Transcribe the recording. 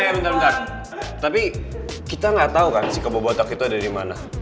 eh bentar bentar tapi kita gak tau kan si kebo botak itu ada dimana